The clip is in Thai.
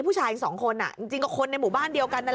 ผู้ชายสองคนน่ะจริงก็คนในหมู่บ้านเดียวกัน